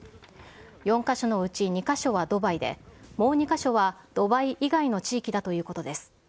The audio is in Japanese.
４か所のうち２か所はドバイで、もう２か所はドバイ以外の地域だということです。